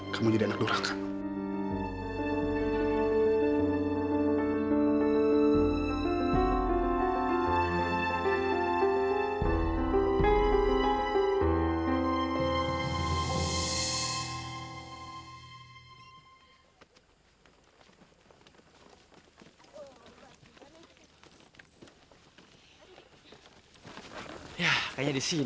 kamu jadi anak dorang kan